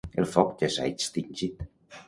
El foc ja s'ha extingit.